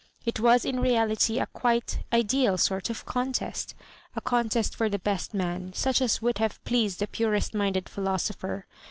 It was in reality a quite ideal sort of contest — a contest for the best man, such as would have pleased the purest minded philosopher.